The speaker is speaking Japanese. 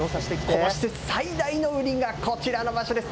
この施設、最大の売りがこちらの場所です。